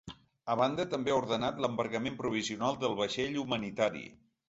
A banda, també ha ordenat l’embargament provisional del vaixell humanitari.